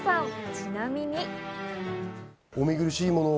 ちなみに。